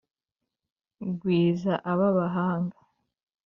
gwiza aba bahanga,